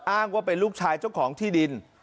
อ้างว่าเป็นลูกชายเจ้าของที่ดิน